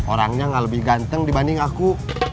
orangnya gak lebih ganteng dibanding aku